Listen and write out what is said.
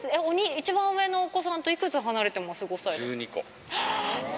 一番上のお子さんといくつ離れてます？